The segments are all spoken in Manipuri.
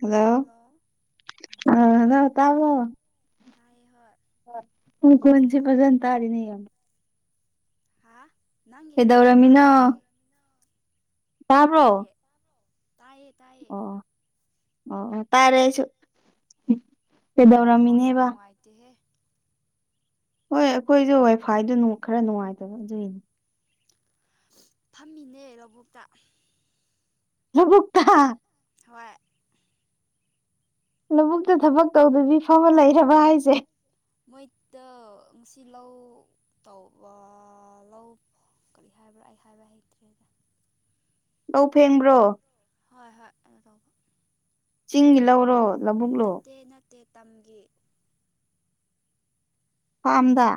ꯍꯜꯂꯣ ꯑꯥ ꯍꯜꯂꯣ ꯇꯥꯕ꯭ꯔꯣ ꯑꯥ ꯈꯣꯟꯁꯦ ꯐꯖꯅ ꯇꯥꯗꯦꯅꯦ ꯌꯥꯝ ꯅꯪꯒꯤ ꯈꯣꯟꯖꯦꯟ ꯇꯥꯗꯦ ꯈꯪꯗꯤꯌꯦ ꯑꯣ ꯑꯣ ꯑꯣ ꯑꯣ ꯇꯥꯔꯦ ꯑꯩꯁꯨ ꯅꯪꯒꯤ ꯅꯦꯋꯥꯛ ꯌꯥꯝ ꯅꯨꯡꯉꯥꯏꯇꯦꯍꯦ ꯍꯣꯏ ꯑꯩꯈꯣꯏꯖꯨ ꯋꯥꯏꯐꯥꯏꯗꯨ ꯅꯨ ꯈꯔ ꯅꯨꯡꯉꯥꯏꯇꯕ ꯑꯗꯨꯏꯅꯤ ꯐꯝꯃꯤꯅꯦ ꯂꯧꯕꯨꯛꯇꯥ ꯂꯕꯨꯛꯇꯥ ꯍꯣꯏ ꯂꯧꯕꯨꯛꯇ ꯊꯕꯛ ꯇꯧꯗꯕꯤ ꯐꯝꯃ ꯂꯩꯔꯕ ꯍꯥꯏꯖꯦ ꯃꯣꯏꯗꯣ ꯉꯁꯤ ꯂꯧ ꯇꯧꯕ ꯂꯧ ꯀꯔꯤ ꯍꯥꯏꯕ꯭ꯔꯥ ꯑꯩ ꯍꯥꯏꯕ ꯍꯩꯇ꯭ꯔꯦꯗ ꯂꯧ ꯐꯦꯡꯕ꯭ꯔꯣ ꯍꯣꯏ ꯍꯣꯏ ꯑꯗꯨ ꯇꯧꯕ ꯆꯤꯡꯒꯤ ꯂꯧꯔꯣ ꯂꯕꯨꯛꯂꯣ ꯇꯦ ꯇꯝꯒꯤ ꯐꯥꯝꯗ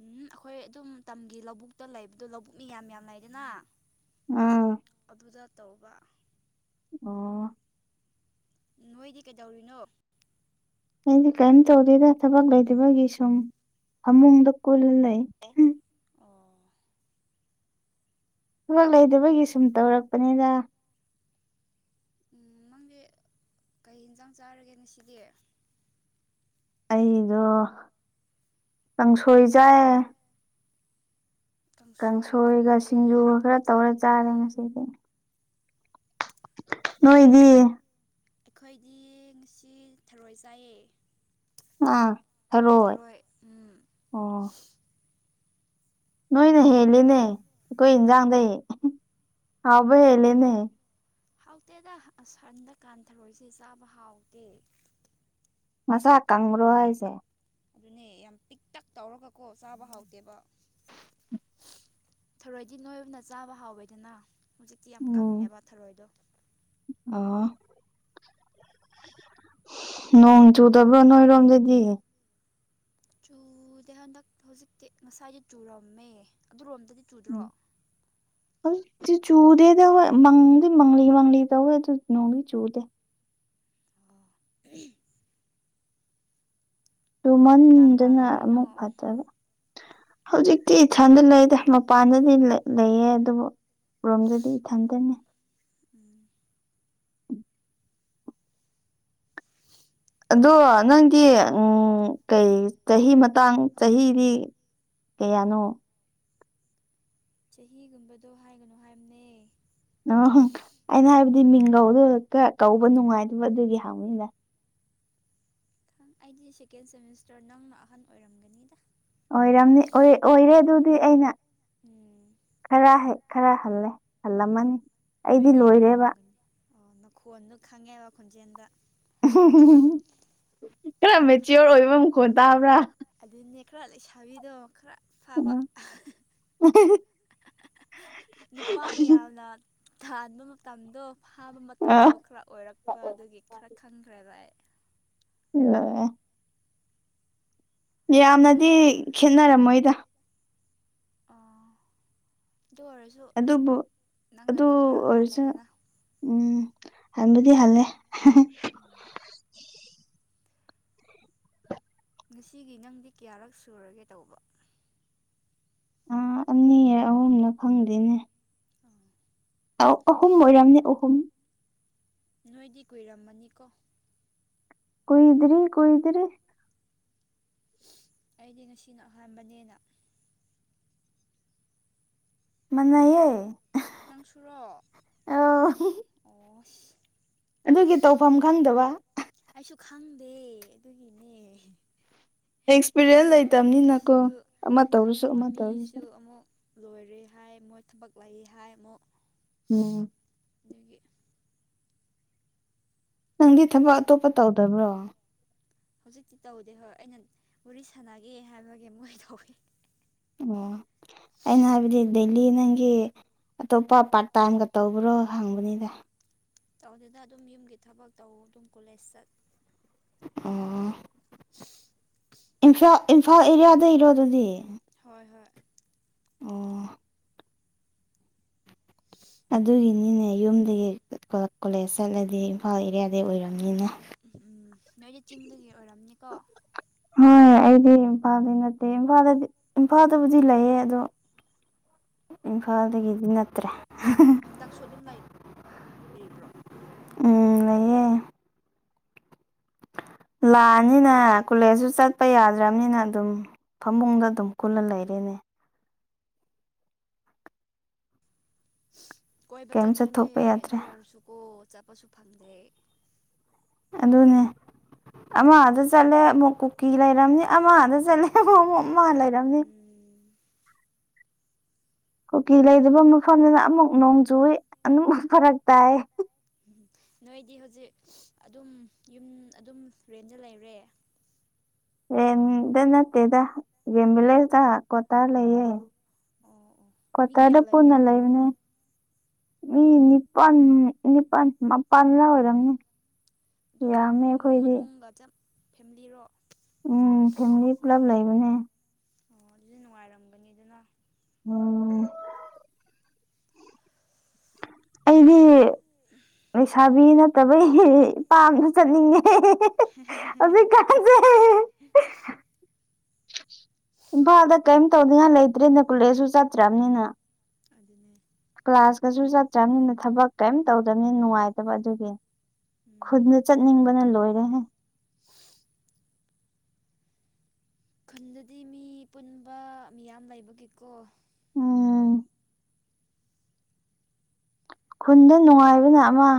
ꯎꯍꯨꯝ ꯑꯈꯣꯏ ꯑꯗꯨꯝ ꯇꯝꯒꯤ ꯂꯧꯕꯨꯛꯇ ꯂꯩꯕꯗꯣ ꯂꯧꯕꯨꯛ ꯅꯤ ꯌꯥꯝ ꯌꯥꯝ ꯂꯩꯗꯅꯥ ꯑꯥ ꯑꯗꯥ ꯇꯧꯕꯥ ꯑꯣ ꯅꯣꯏꯗꯤ ꯀꯩꯗꯧꯔꯤꯅꯣ ꯑꯩꯗꯤ ꯀꯩꯝ ꯇꯧꯗꯦꯗꯥ ꯊꯕꯛ ꯂꯩꯇꯕꯒꯤ ꯁꯨꯝ ꯐꯃꯨꯡꯗ ꯀꯨꯜꯂ ꯂꯩ ꯑꯩ ꯍꯪ ꯊꯕꯛ ꯂꯩꯇꯕꯒꯤ ꯁꯨꯝ ꯇꯧꯔꯛꯄꯅꯤꯗꯥ ꯎꯝ ꯅꯪꯗꯤ ꯀꯩ ꯌꯦꯟꯁꯥꯡ ꯆꯥꯔꯒꯦ ꯉꯁꯤꯗꯤ ꯑꯩꯗꯣ ꯀꯥꯡꯁꯣꯏ ꯆꯥꯏꯌꯦ ꯀꯥꯡꯁꯣꯏꯒ ꯁꯤꯡꯖꯨꯒ ꯈꯔ ꯇꯧꯔ ꯆꯥꯔꯦ ꯉꯁꯤꯗꯤ ꯅꯣꯏ ꯗꯤ ꯑꯩꯈꯣꯏꯗꯤ ꯉꯁꯤ ꯊꯔꯣꯏ ꯆꯥꯏꯌꯦ ꯑꯥ ꯊꯔꯣꯏ ꯑꯣ ꯅꯣꯏꯅ ꯍꯦꯜꯂꯤꯅꯦ ꯑꯩꯈꯣꯏ ꯍꯦꯟꯖꯥꯡꯗꯩ ꯍꯥꯎꯕ ꯍꯦꯜꯂꯦꯅꯦ ꯍꯥꯎꯇꯦꯗꯥ ꯑꯁ ꯍꯟꯗꯛꯀꯥꯟ ꯊꯔꯣꯏꯁꯦ ꯆꯥꯕ ꯍꯥꯎꯇꯦ ꯃꯁꯥ ꯀꯪꯕ꯭ꯔꯣ ꯍꯥꯏꯁꯦ ꯑꯗꯨꯅꯦ ꯌꯥꯝ ꯄꯤꯛꯇꯛ ꯇꯧꯔꯒꯀꯣ ꯆꯥꯕ ꯍꯥꯎꯇꯦꯕ ꯊꯔꯣꯏꯗꯤ ꯅꯣꯏꯕꯅ ꯆꯥꯕ ꯍꯥꯎꯋꯦꯗꯅꯥ ꯍꯧꯖꯤꯛꯇꯤ ꯌꯥꯝ ꯀꯪꯉꯦꯕꯥ ꯊꯔꯣꯏꯗꯣ ꯅꯣꯡ ꯆꯨꯗꯕ꯭ꯔꯣ ꯅꯣꯏꯔꯣꯝꯗꯗꯤ ꯆꯨꯗꯦ ꯍꯟꯗꯛ ꯍꯧꯖꯤꯛꯇꯤ ꯉꯁꯥꯏꯗꯤ ꯆꯨꯔꯝꯃꯦ ꯑꯗꯨꯔꯣꯝ ꯗꯗꯤ ꯆꯨꯗ꯭ꯔꯣ ꯆꯨꯗꯦꯗ ꯃꯪꯗꯤ ꯃꯪꯂꯤ ꯃꯪꯂꯤ ꯇꯧꯋꯦ ꯅꯣꯡꯗꯤ ꯆꯨꯗꯦ ꯎ ꯇꯨꯃꯟꯗꯅ ꯑꯃꯨꯛ ꯐꯠꯇꯕ ꯍꯧꯖꯤꯛꯇꯤ ꯏꯊꯟꯗ ꯂꯩꯗ ꯃꯄꯥꯟꯗꯗꯤ ꯂꯩꯌꯦ ꯑꯗꯨꯕꯨ ꯔꯣꯝꯗꯗꯤ ꯏꯊꯟꯗꯅꯦ ꯎꯝ ꯑꯗꯣ ꯅꯪꯗꯤ ꯎ ꯀꯩ ꯆꯍꯤ ꯃꯇꯥꯡ ꯆꯍꯤꯗꯤ ꯀꯌꯥꯅꯣ ꯆꯍꯤꯒꯨꯝꯕꯗꯣ ꯍꯥꯏꯒꯅꯨ ꯍꯥꯏꯕꯅꯦ ꯑ ꯑꯩꯅ ꯍꯥꯏꯕꯗꯤ ꯃꯤꯡꯒꯧꯗꯣ ꯍꯦꯛꯇ ꯀꯧꯕ ꯅꯨꯡꯉꯥꯏꯗꯕ ꯑꯗꯨꯒꯤ ꯍꯪꯕꯅꯤꯗ ꯑꯩꯗꯤ ꯁꯦꯀꯦꯟ ꯁꯦꯃꯤꯁꯇꯔ ꯅꯪꯅ ꯑꯍꯟ ꯑꯣꯏꯔꯝꯒꯅꯤꯗ ꯑꯣꯏꯔꯝꯅꯤ ꯑꯣꯏꯔꯦ ꯑꯗꯨꯗꯤ ꯑꯩꯅ ꯈꯔ ꯍ ꯈꯔ ꯍꯜꯂꯦ ꯍꯜꯂꯝꯃꯅꯤ ꯅꯣꯏꯗꯤ ꯌꯥꯝꯂꯝꯒꯅꯤ ꯑꯣ ꯅꯈꯣꯟꯗ ꯈꯪꯉꯦ ꯋꯥꯈꯣꯟꯖꯦꯜꯗ ꯈꯔ ꯃꯦꯆꯤꯌꯣꯔ ꯑꯣꯏꯕ ꯃꯈꯣꯟ ꯇꯥꯕ꯭ꯔꯥ ꯑꯗꯨꯅꯦ ꯈꯔ ꯂꯩꯁꯥꯕꯤꯗꯣ ꯈꯔ ꯐꯕ ꯅꯨꯄꯥ ꯃꯌꯥꯝꯅ ꯊꯥꯟꯕ ꯃꯇꯝꯗꯣ ꯐꯥꯕ ꯃꯇꯝꯗꯣ ꯈꯔ ꯑꯣꯏꯔꯛꯄ ꯑꯗꯨꯒꯤ ꯈꯔ ꯈꯪꯈ꯭ꯔꯦꯕ ꯑꯩ ꯂꯣꯏꯔꯦ ꯌꯥꯝꯅꯗꯤ ꯈꯦꯠꯅꯔꯝꯃꯣꯏꯗ ꯑꯗꯨꯕꯨ ꯑꯗꯨ ꯑꯣꯏꯔꯁꯨ ꯎꯝ ꯍꯟꯕꯨꯗꯤ ꯍꯟꯂꯦ ꯉꯁꯤꯒꯤ ꯅꯪꯗꯤ ꯀꯌꯥꯔꯛ ꯁꯨꯔꯒꯦ ꯇꯧꯕ ꯑ ꯑꯅꯤ ꯔ ꯑꯍꯨꯝꯂ ꯈꯪꯗꯦꯅꯦ ꯑꯥꯎ ꯑꯍꯨꯝ ꯃꯣꯏꯔꯝꯅꯤ ꯑꯍꯨꯝ ꯅꯣꯏꯗꯤ ꯀꯨꯏꯔꯝꯃꯅꯤꯀꯣ ꯀꯨꯏꯗ꯭ꯔꯤ ꯀꯨꯏꯗ꯭ꯔꯤ ꯑꯩꯗꯤ ꯉꯁꯤꯅ ꯑꯍꯥꯟꯕꯅꯦꯅ ꯃꯟꯅꯩꯌꯦ ꯅꯪ ꯁꯨꯔꯣ ꯑꯣ ꯑꯗꯨꯒꯤ ꯇꯧꯐꯝ ꯈꯪꯗꯕ ꯑꯩꯁꯨ ꯈꯪꯗꯦ ꯑꯗꯨꯒꯤꯅꯦ ꯑꯦꯛꯁꯄꯤꯔꯤꯌꯦꯜ ꯂꯩꯇꯕꯅꯤꯅꯀꯣ ꯑꯃ ꯇꯧꯔꯁꯨ ꯑꯃ ꯇꯧꯔꯁꯨ ꯂꯣꯏꯔꯦ ꯍꯥꯏ ꯃꯣꯏ ꯊꯕꯛ ꯂꯩ ꯍꯥꯏ ꯑꯃꯨꯛ ꯎꯝ ꯗꯨꯒꯤ ꯅꯪꯗꯤ ꯊꯕꯛ ꯑꯇꯣꯞꯄ ꯇꯧꯗꯕ꯭ꯔꯣ ꯍꯧꯖꯤꯛꯇꯤ ꯇꯧꯗꯦ ꯍꯣꯏ ꯑꯩꯅ ꯋꯥꯔꯤ ꯁꯥꯟꯅꯒꯦ ꯍꯥꯏꯕꯒꯤ ꯃꯣꯏ ꯇꯧꯋꯦ ꯑꯣ ꯑꯩꯅ ꯍꯥꯏꯕꯗꯤ ꯗꯦꯜꯂꯤ ꯅꯪꯒꯤ ꯑꯇꯣꯞꯄ ꯄꯥꯔꯠ ꯇꯥꯏꯝꯒ ꯇꯧꯕ꯭ꯔꯣ ꯍꯪꯕꯅꯤꯗ ꯇꯧꯗꯦꯗ ꯑꯗꯨꯝ ꯌꯨꯝꯒꯤ ꯊꯕꯛ ꯇꯧ ꯑꯗꯨꯝ ꯀꯣꯂꯦꯖ ꯆꯠ ꯑꯣ ꯏꯝꯐꯥꯜ ꯢꯝꯐꯥꯜ ꯑꯦꯔꯤꯌꯥꯗꯩꯔꯣ ꯑꯗꯨꯗꯤ ꯍꯣꯏ ꯍꯣꯏ ꯑꯣ ꯑꯗꯨꯒꯤꯅꯤꯅꯦ ꯌꯨꯝꯗꯒꯤ ꯀꯣ ꯀꯣꯂꯦꯖ ꯆꯠꯂꯗꯤ ꯏꯝꯐꯥꯜ ꯑꯦꯔꯤꯌꯥꯗꯩ ꯑꯣꯏꯔꯝꯅꯤꯅ ꯎꯝꯍꯝ ꯅꯣꯏꯗꯤ ꯆꯤꯡꯗꯒꯤ ꯑꯣꯏꯔꯝꯅꯤꯀꯣ ꯑꯩꯗꯤ ꯏꯝꯐꯥꯜꯗꯤ ꯅꯠꯇꯦ ꯏꯝꯐꯥꯜꯗꯗꯤ ꯏꯝꯐꯥꯜꯗꯕꯨꯗꯤ ꯂꯩꯌꯦ ꯑꯗꯣ ꯏꯝꯐꯥꯜꯗꯒꯤꯗꯤ ꯅꯠꯇ꯭ꯔꯦ ꯍꯟꯗꯛꯁꯨ ꯑꯗꯨꯝ ꯂꯩ ꯔꯤꯕ꯭ꯔꯣ ꯎꯝ ꯂꯩꯌꯦ ꯂꯥꯛꯑꯅꯤꯅ ꯀꯣꯂꯦꯖꯁꯨ ꯆꯠꯄ ꯌꯥꯗ꯭ꯔꯝꯅꯤꯅ ꯑꯗꯨꯝ ꯐꯃꯨꯡꯗ ꯑꯗꯨꯝ ꯀꯨꯜꯂ ꯂꯩꯔꯦꯅꯦ ꯀꯣꯏꯕ ꯆꯠꯅꯤꯡꯉꯦ ꯑꯗꯨ ꯑꯣꯏꯔꯁꯨꯀꯣ ꯆꯠꯄꯁꯨ ꯐꯪꯗꯦ ꯑꯗꯨꯅꯦ ꯑꯃꯗ ꯆꯠꯂꯦ ꯑꯃꯨꯛ ꯀꯨꯀꯤ ꯂꯩꯔꯝꯅꯤ ꯑꯃꯗ ꯆꯠꯂꯦ ꯑꯃꯃꯨꯛ ꯑꯃ ꯂꯩꯔꯝꯅꯤ ꯀꯨꯀꯤ ꯂꯩꯗꯕ ꯃꯐꯝꯗꯨꯅ ꯑꯃꯨꯛ ꯅꯣꯡ ꯖꯨꯏ ꯑꯗꯨꯃꯛ ꯐꯔꯛ ꯇꯥꯏꯌꯦ [inaudible] ꯅꯣꯏꯗꯤ ꯍꯧꯖꯤꯛ ꯑꯗꯨꯝ ꯌꯨꯝ ꯑꯗꯨꯝ ꯔꯦꯟꯗ ꯂꯩꯔꯦ ꯔꯦꯟꯗ ꯅꯠꯇꯦꯗ ꯒꯦꯝ ꯚꯤꯂꯦꯖꯇ ꯀ꯭ꯋꯥꯇꯔ ꯂꯩꯌꯦ ꯀ꯭ꯋꯥꯇꯔꯗ ꯄꯨꯟꯅ ꯂꯩꯕꯅꯦ ꯃꯤ ꯅꯤꯄꯥꯟ ꯅꯤꯄꯥꯟ ꯃꯄꯥꯟ ꯂ ꯑꯣꯏꯔꯝꯅꯤ ꯑꯗꯨꯝ ꯏꯃꯨꯡ ꯃꯅꯨꯡꯒ ꯆꯞ ꯐꯦꯃꯤꯂꯤꯔꯣ ꯎꯝ ꯐꯦꯃꯤꯂꯤ ꯄꯨꯂꯞ ꯂꯩꯕꯅꯦ ꯑꯣ ꯑꯗꯨꯗꯤ ꯅꯨꯡꯉꯥꯏꯔꯝꯒꯅꯤ ꯑꯗꯨꯅ ꯎꯝ ꯑꯩꯗꯤ ꯂꯩꯁꯥꯕꯤ ꯅꯠꯇꯕꯒꯤ ꯏꯄꯥꯝꯗ ꯆꯠꯅꯤꯡꯉꯦ [unintelligible] ꯍꯧꯖꯤꯛꯀꯥꯟꯖꯦ ꯏꯝꯐꯥꯜꯗ ꯀ꯭ꯌꯝ ꯇꯧꯅꯤꯡꯉꯥꯏ ꯂꯩꯇ꯭ꯔꯦꯅ ꯀꯨꯂꯦꯖꯁꯨ ꯆꯠꯇ꯭ꯔꯝꯅꯤꯅ ꯑꯗꯨꯅꯦ ꯀ꯭ꯂꯥꯁꯀꯁꯨ ꯆꯠꯇ꯭ꯔꯝꯅꯤꯅ ꯊꯕꯛ ꯀ꯭ꯌꯝ ꯇꯧꯗꯝꯅꯤꯅ ꯅꯨꯡꯉꯥꯏꯇꯕ ꯑꯗꯨꯒꯤ ꯈꯨꯟꯗ ꯆꯠꯅꯤꯡꯕꯅ ꯂꯣꯏꯔꯦꯍꯦ ꯈꯨꯟꯗꯗꯤ ꯃꯤ ꯄꯨꯟꯕ ꯃꯤꯌꯥꯝ ꯂꯩꯕꯒꯤꯀꯣ ꯎꯝ ꯈꯨꯟꯗ ꯅꯨꯡꯉꯥꯏꯕꯅ ꯑꯃ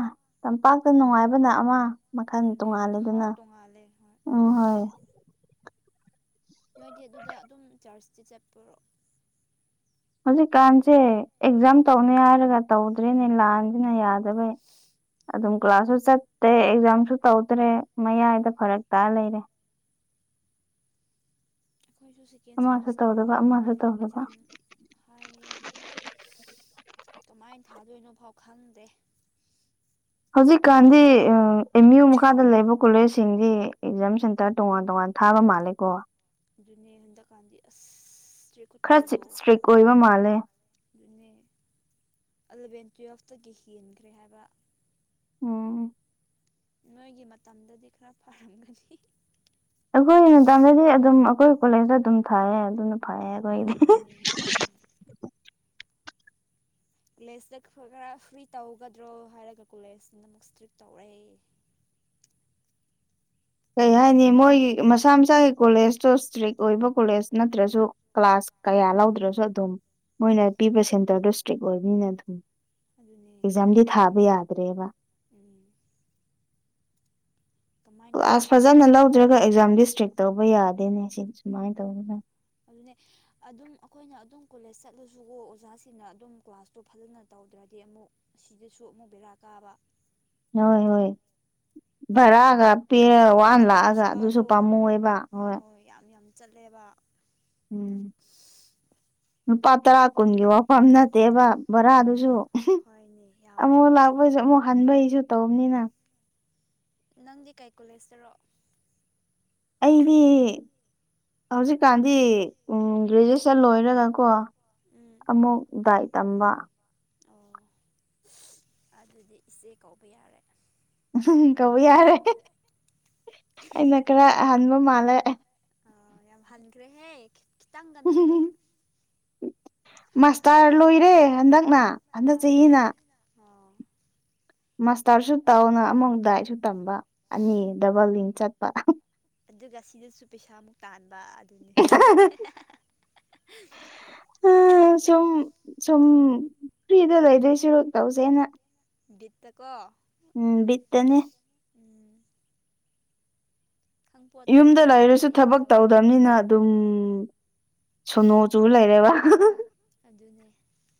ꯇꯝꯄꯥꯛꯇ ꯅꯨꯡꯉꯥꯏꯕꯅ ꯑꯃ ꯃꯈꯟ ꯇꯣꯡꯉꯥꯜꯂꯦꯗꯅꯥ ꯎꯝ ꯍꯣꯏ ꯅꯣꯏꯗꯤ ꯑꯗꯨꯗ ꯑꯗꯨꯝ ꯆꯥꯔꯖꯇꯤ ꯆꯠꯄꯔꯣ ꯍꯧꯖꯤꯛꯀꯥꯟꯁꯦ ꯑꯦꯛꯖꯥꯝ ꯇꯧꯅꯤ ꯍꯥꯏꯔꯒ ꯇꯧꯗ꯭ꯔꯦꯅꯦ ꯂꯥꯟꯁꯤꯅ ꯌꯥꯗꯕꯩ ꯑꯗꯨꯝ ꯀ꯭ꯂꯥꯁꯁꯨ ꯆꯠꯇꯦ ꯑꯦꯛꯖꯥꯝꯁꯨ ꯇꯧꯗ꯭ꯔꯦ ꯃꯌꯥꯏꯗ ꯐꯔꯛ ꯇꯥ ꯂꯩꯔꯦ ꯑꯈꯣꯏꯖꯨ ꯁꯦꯀꯦꯟ ꯁꯦꯃꯤꯁꯇꯔꯒꯤ ꯑꯦꯛꯖꯥꯝ ꯍꯥꯏꯌꯦ [inaudible] ꯀꯃꯥꯏꯟ ꯊꯥꯗꯣꯏꯅꯣꯐꯥꯎ ꯈꯪꯗꯦ ꯍꯧꯖꯤꯛꯀꯥꯟꯗꯤ ꯑꯥ ꯑꯦꯝ ꯌꯨ ꯃꯈꯥꯗ ꯂꯩꯕ ꯀꯣꯂꯦꯖꯁꯤꯡꯗꯤ ꯑꯦꯛꯖꯥꯝ ꯁꯦꯟꯇꯔ ꯇꯣꯉꯥꯟ ꯇꯣꯉꯥꯟ ꯊꯥꯕ ꯃꯥꯜꯂꯦꯀꯣ ꯑꯗꯨꯅꯦ ꯍꯟꯗꯛꯀꯥꯟꯗꯤ ꯑꯁ ꯈꯔ ꯆꯤꯛ ꯏꯁꯇ꯭ꯔꯤꯛ ꯑꯣꯏꯕ ꯃꯥꯜꯂꯦ ꯑꯗꯨꯅꯦ ꯑꯂꯚꯦꯟ ꯇꯨꯋꯦꯜꯐꯇꯒꯤ ꯍꯦꯟꯈ꯭ꯔꯦ ꯍꯥꯏꯕ ꯎꯝ ꯅꯣꯏꯒꯤ ꯃꯇꯝꯗꯗꯤ ꯈꯔ ꯐꯔꯝꯒꯅꯤ ꯑꯩꯈꯣꯏ ꯃꯇꯝꯗꯗꯤ ꯑꯗꯨꯝ ꯑꯩꯈꯣꯏ ꯀꯣꯂꯦꯖꯇ ꯑꯗꯨꯝ ꯊꯥꯏꯌꯦ ꯑꯗꯨꯅ ꯐꯌꯦ ꯑꯈꯣꯏꯗꯤ ꯀꯣꯂꯦꯖꯇ ꯈꯔ ꯐ꯭ꯔꯤ ꯇꯧꯒꯗ꯭ꯔꯣ ꯍꯥꯏꯔꯒ ꯀꯣꯂꯦꯖꯇꯅ ꯑꯃꯨꯛ ꯁꯇ꯭ꯔꯤꯛ ꯇꯧꯔꯦ [inaudible] ꯀꯩ ꯍꯥꯏꯅꯤ ꯃꯣꯏꯒꯤ ꯃꯁꯥ ꯃꯁꯥꯒꯤ ꯀꯣꯂꯦꯖꯇꯣ ꯏꯁꯇ꯭ꯔꯤꯛ ꯑꯣꯏꯕ ꯀꯣꯂꯦꯖ ꯅꯠꯇ꯭ꯔꯖꯨ ꯀ꯭ꯂꯥꯁ ꯀꯌꯥ ꯂꯧꯗ꯭ꯔꯁꯨ ꯑꯗꯨꯝ ꯃꯣꯏꯅ ꯄꯤꯕ ꯁꯦꯟꯇꯔꯗꯣ ꯁꯇ꯭ꯔꯤꯛ ꯑꯣꯏꯕꯅꯤꯅ ꯑꯗꯨꯝ ꯑꯦꯛꯖꯥꯝꯗꯤ ꯊꯥꯕ ꯌꯥꯗ꯭ꯔꯦꯕ ꯎꯝ ꯀ꯭ꯂꯥꯁ ꯐꯖꯅ ꯂꯧꯗ꯭ꯔꯒ ꯑꯦꯛꯖꯥꯝꯗꯤ ꯁꯇ꯭ꯔꯤꯛ ꯇꯧꯕ ꯌꯥꯗꯦꯅꯦ ꯁꯤ ꯁꯨꯃꯥꯏ ꯇꯧꯒꯗꯝ ꯑꯗꯨꯅꯦ ꯑꯗꯨꯝ ꯑꯈꯣꯏꯅ ꯑꯗꯨꯝ ꯀꯣꯂꯦꯖ ꯆꯠꯂꯁꯨꯀꯣ ꯑꯣꯖꯥꯁꯤꯡꯅ ꯑꯗꯨꯝ ꯀ꯭ꯂꯥꯁꯇꯣ ꯐꯖꯅ ꯇꯧ ꯍꯧꯗ꯭ꯔꯗꯤ ꯑꯃꯨꯛ ꯁꯤꯗꯁꯨ ꯑꯃꯨꯛ ꯕꯦꯔꯥ ꯀꯥꯕ ꯅꯣꯢ ꯍꯣꯏ ꯚꯔꯥꯒ ꯄꯤꯌꯟ ꯋꯥꯟ ꯂꯥꯛꯑꯒ ꯑꯗꯨꯁꯨ ꯄꯥꯝꯃꯨꯌꯦꯕ ꯍꯣꯏ ꯆꯠꯂꯦꯕ ꯎꯝ ꯂꯨꯄꯥ ꯇꯔꯥ ꯀꯨꯟꯒꯤ ꯋꯥꯐꯝ ꯅꯠꯇꯦꯕ ꯚꯥꯔꯥꯗꯨꯁꯨ ꯑꯃꯨꯛ ꯂꯥꯛꯄꯁꯨ ꯑꯃꯨꯛ ꯍꯟꯕꯩꯁꯨ ꯇꯧꯕꯅꯤꯅ ꯅꯪꯗꯤ ꯀꯩ ꯀꯣꯂꯦꯖꯇꯔꯣ ꯑꯩꯗꯤ ꯍꯧꯖꯤꯛꯀꯥꯟꯗꯤ ꯎꯝ ꯒ꯭ꯔꯦꯖꯨꯑꯦꯁꯟ ꯂꯣꯏꯔꯒ ꯀꯣ ꯑꯝꯃꯨꯛ ꯗꯥꯢ ꯇꯝꯕ ꯑꯣ ꯑꯗꯨꯗꯤ ꯏꯆꯦ ꯀꯧꯕ ꯌꯥꯔꯦ ꯎꯝ ꯀꯧꯕ ꯌꯥꯔꯦ ꯑꯩꯅ ꯈꯔ ꯑꯍꯥꯟꯕ ꯃꯥꯜꯂꯦ ꯑ ꯌꯥꯝ ꯍꯟꯈ꯭ꯔꯦꯍꯦ ꯈꯤꯇꯪꯒ ꯅꯠꯇꯦ ꯃꯥꯁꯇꯔ ꯂꯣꯏꯔꯦ ꯍꯟꯗꯛꯅ ꯍꯟꯗꯛ ꯆꯍꯤꯅ ꯃꯥꯁꯇꯔꯁꯨ ꯇꯧꯅ ꯑꯃꯨꯛ ꯗꯥꯏꯠꯁꯨ ꯇꯝꯕ ꯑꯅꯤ ꯗꯕꯜ ꯂꯤꯡ ꯆꯠꯄ ꯑꯗꯨꯒ ꯁꯤꯗꯁꯨ ꯄꯩꯁꯥꯃꯨꯛ ꯇꯥꯟꯕ ꯑ ꯁꯨꯝ ꯁꯨꯝ ꯐ꯭ꯔꯤꯗ ꯂꯩꯗꯣꯏ ꯁꯔꯨꯛ ꯇꯧꯁꯦꯅ ꯕꯤꯠꯇꯀꯣ ꯎꯝ ꯕꯤꯠꯇꯅꯦ ꯌꯨꯝꯗ ꯂꯩꯔꯁꯨ ꯊꯕꯛ ꯇꯧꯗꯝꯅꯤꯅ ꯑꯗꯨꯝ ꯁꯣꯅꯨ ꯆꯨ ꯂꯩꯔꯦꯕ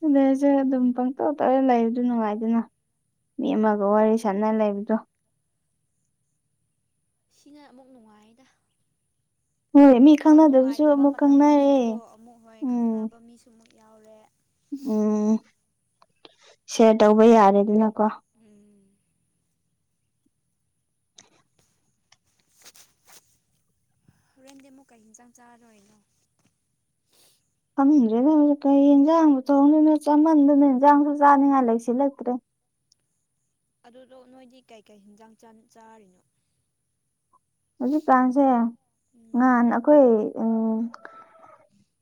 ꯑꯗꯩꯁꯦ ꯑꯗꯨꯝ ꯄꯪꯇꯧ ꯇꯧꯔ ꯂꯩꯕꯗ ꯅꯨꯡꯉꯥꯏꯗꯅ ꯃꯤ ꯑꯃꯒ ꯋꯥꯔꯤ ꯁꯥꯟꯅ ꯂꯩꯕꯗꯣ [inaudible] ꯁꯤꯅ ꯑꯃꯨꯛ ꯅꯨꯡꯉꯥꯏꯗ ꯋꯥꯈꯜ ꯅꯨꯡꯉꯥꯏꯇꯕ ꯃꯇꯝꯗꯁꯨ ꯀꯣ ꯑꯃꯨꯛ ꯍꯣꯏ ꯈꯪꯅꯕ ꯃꯤꯁꯨꯨ ꯎꯝ ꯁꯦꯔ ꯇꯧꯕ ꯌꯥꯔꯦꯗꯅ ꯀꯣ ꯎꯝ [inaudible] ꯍꯣꯔꯦꯟꯗꯤ ꯃꯨꯛꯀꯩ ꯌꯦꯟꯁꯥꯡ ꯆꯥꯔꯣꯏꯅꯣ ꯈꯪꯗꯦꯗ ꯍꯧꯖꯤꯛ ꯀꯩ ꯌꯦꯟꯖꯥꯡꯕꯨ ꯊꯣꯡꯗꯣꯏꯅꯣ ꯆꯃꯟꯗꯅ ꯏꯟꯖꯥꯡꯁꯨ ꯆꯥꯅꯤꯡꯉꯥꯏ ꯂꯩꯁꯤꯜꯂꯛꯇ꯭ꯔꯦ ꯑꯗꯨꯗꯣ ꯅꯣꯏꯗꯤ ꯀꯩꯀꯩ ꯍꯤꯟꯖꯥꯡ ꯆꯥꯔꯤꯅꯣ ꯍꯧꯖꯤꯛꯀꯥꯟꯁꯦ ꯉꯍꯥꯟ ꯑꯩꯈꯣꯏ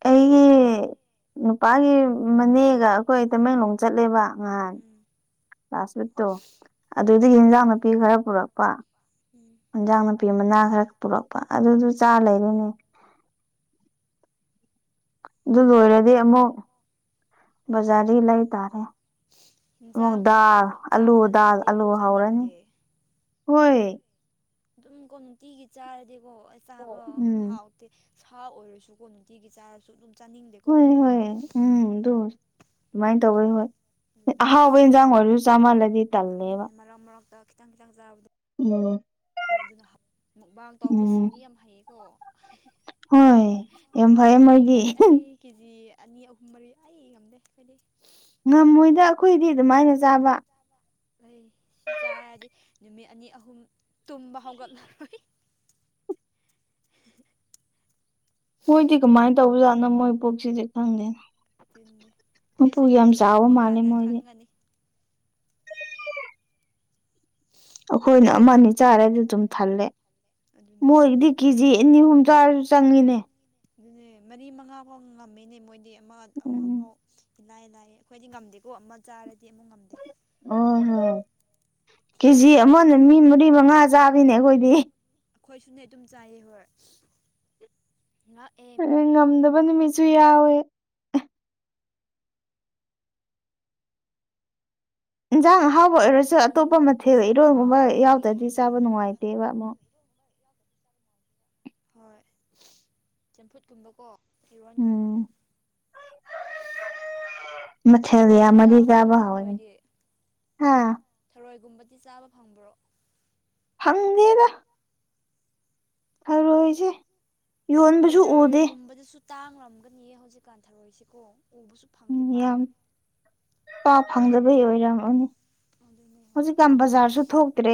ꯑꯩꯒꯤ ꯅꯨꯄꯥꯒꯤ ꯃꯅꯦꯒ ꯑꯩꯈꯣꯏ ꯇꯃꯦꯡꯂꯣꯡ ꯆꯠꯂꯦꯕ ꯉꯍꯥꯟ ꯂꯥꯁ ꯋꯤꯛꯇꯣ ꯑꯗꯨꯗꯒꯤ ꯏꯟꯖꯥꯡ ꯅꯥꯄꯤ ꯈꯔ ꯄꯨꯔꯛꯄ ꯍꯦꯟꯖꯥꯡ ꯅꯥꯄꯤ ꯃꯅꯥ ꯈꯔ ꯄꯨꯔꯛꯄ ꯑꯗꯨꯗꯨ ꯆꯥ ꯂꯩꯔꯦꯅꯦ ꯑꯗꯨ ꯂꯣꯏꯔꯗꯤ ꯑꯃꯨꯛ ꯕꯖꯥꯔꯗꯩ ꯂꯩꯥ ꯇꯥꯔꯦ ꯑꯃꯨꯛ ꯗꯥꯜ ꯑꯂꯨ ꯗꯥꯜ ꯑꯂꯨ ꯍꯧꯔꯅꯤ ꯍꯣꯏ ꯑꯗꯨꯝ ꯀꯣ ꯅꯨꯡꯇꯤꯒꯤ ꯆꯥꯔꯗꯤꯀꯣ ꯑꯩ ꯆꯥꯕ ꯍꯥꯎꯇꯦ ꯁꯥ ꯑꯣꯏꯔꯁꯨꯀꯣ ꯅꯨꯡꯇꯤꯒꯤ ꯆꯥꯔꯁꯨ ꯑꯗꯨꯝ ꯍꯣꯏ ꯍꯣꯏ ꯎꯝ ꯑꯗꯨ ꯑꯗꯨꯃꯥꯏꯅ ꯇꯧꯋꯦ ꯍꯣꯏ ꯑꯍꯥꯎꯕ ꯏꯟꯁꯥꯡ ꯑꯣꯏꯁꯨ ꯆꯥꯃꯜꯂꯗꯤ ꯇꯜꯂꯦꯕ ꯃꯨꯛꯕꯥꯥꯡ ꯇꯥꯎꯕꯁꯤꯡꯗꯤ ꯌꯥꯝ ꯍꯩꯌꯦꯀꯣ ꯍꯣꯏ ꯌꯥꯃ ꯐꯩꯌꯦ ꯃꯣꯏꯗꯤ ꯑꯅꯤ ꯑꯍꯨꯝ ꯃꯔꯤ ꯑꯩ ꯉꯝꯗꯦ ꯑꯩꯗꯤ ꯉꯝꯃꯣꯏꯗ ꯑꯩꯈꯣꯏꯗꯤ ꯑꯗꯨꯃꯥꯏꯅ ꯆꯥꯕ ꯑꯩ ꯁꯤ ꯆꯥꯔꯗꯤ ꯅꯨꯃꯤꯠ ꯑꯅꯤ ꯑꯍꯨꯝ ꯇꯨꯝꯕ ꯍꯧꯒꯠꯂꯔꯣꯏ ꯃꯣꯏꯗꯤ ꯀꯃꯥꯏꯅ ꯇꯧꯕꯖꯥꯠꯅꯣ ꯃꯣꯏ ꯄꯣꯛꯁꯤꯗꯤ ꯈꯪꯗꯦꯅ ꯀꯩꯁꯨ ꯌꯨꯇ꯭ꯌꯨꯕ ꯍꯥꯡꯕ ꯀꯥꯟꯗ ꯈꯪꯒꯅꯤ ꯑꯩꯈꯣꯏꯅ ꯑꯃꯅꯤ ꯆꯥꯔꯗꯤ ꯑꯗꯨꯝ ꯊꯜꯂꯦ ꯃꯣꯏꯒꯤꯗꯤ ꯀꯦꯖꯤ ꯑꯅꯤ ꯑꯍꯨꯝ ꯆꯥꯔꯁꯨ ꯆꯪꯉꯤꯅꯦ ꯑꯗꯨꯅꯦ ꯃꯔꯤ ꯃꯉꯥ ꯐꯥꯎ ꯉꯝꯃꯤꯅꯦ ꯃꯣꯏꯗꯤ ꯑꯃ ꯑꯃꯐꯥꯎ ꯏꯂꯥꯏ ꯂꯥꯏꯌꯦ ꯑꯩꯈꯣꯏꯗꯤ ꯉꯝꯗꯦꯀꯣ ꯑꯃ ꯆꯥꯔꯗꯤ ꯑꯃꯨꯛ ꯉꯝꯗꯦ ꯑꯣ ꯍꯣ ꯀꯦꯖꯤ ꯑꯃꯅ ꯃꯤ ꯃꯔꯤ ꯃꯉꯥ ꯆꯥꯕꯤꯅꯦ ꯑꯩꯈꯣꯏꯗꯤ ꯑꯩꯈꯣꯏꯁꯨꯅꯦ ꯑꯗꯨꯝ ꯆꯥꯏꯌꯦ ꯍꯣꯏ ꯉꯝꯗꯕ ꯅꯨꯃꯤꯠꯁꯨ ꯌꯥꯎꯋꯦ ꯏꯟꯖꯥꯡ ꯑꯍꯥꯎ ꯍꯣꯏ ꯑꯣꯏꯔꯁꯨ ꯑꯇꯣꯞꯄ ꯃꯊꯦꯜ ꯏꯔꯣꯏꯒꯨꯝꯕ ꯌꯥꯎꯗ꯭ꯔꯗꯤ ꯆꯥꯕ ꯅꯨꯡꯉꯥꯏꯇꯦꯕ ꯑꯃꯨꯛ ꯍꯣꯏ ꯆꯝꯐꯨꯠꯀꯨꯝꯕꯀꯣ ꯐꯤꯋꯣꯟꯒꯨꯝꯕ ꯃꯊꯦꯜ ꯌꯥꯝꯃꯗꯤ ꯆꯥꯕ ꯍꯥꯎꯋꯦꯅꯦ ꯑ ꯒꯨꯨꯝꯕꯗꯤ ꯆꯥꯕ ꯐꯪꯕ꯭ꯔꯣ ꯐꯪꯗꯦꯗ ꯊꯔꯣꯏꯁꯦ ꯌꯣꯟꯕꯁꯨ ꯎꯗꯦ ꯇꯥꯡꯂꯝꯒꯅꯤꯌꯦ ꯍꯧꯖꯤꯛꯀꯥꯟ ꯊꯔꯣꯏꯁꯤꯀꯣ ꯎꯕꯁꯨ ꯐꯪꯗꯦ ꯄꯥꯛ ꯐꯪꯗꯕꯩ ꯑꯣꯏꯔꯝꯃꯅꯤ ꯍꯧꯖꯤꯛꯀꯥꯟ ꯕꯖꯥꯔꯁꯨ ꯊꯣꯛꯇ꯭ꯔꯦ